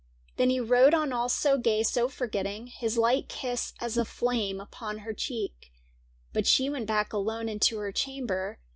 Then he rode on all so gay, so forgetting. His light kiss as a flame upon her cheek ; But she went back alone into her chamber.